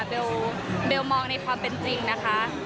เบลมองในความเป็นจริงนะคะ